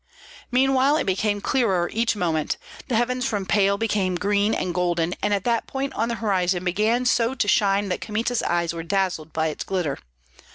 Meanwhile it became clearer each moment, the heavens from pale became green and golden and that point on the horizon began so to shine that Kmita's eyes were dazzled by its glitter.